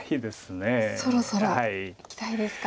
そろそろいきたいですか。